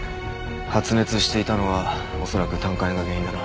発熱していたのはおそらく胆管炎が原因だな。